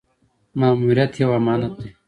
ماموریت یو امانت دی